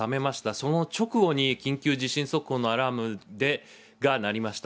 その直後に緊急地震速報のアラームが鳴りました。